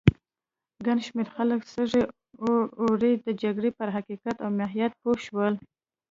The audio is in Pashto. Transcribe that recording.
ګڼ شمېر خلک سږ اوړی د جګړې پر حقیقت او ماهیت پوه شول.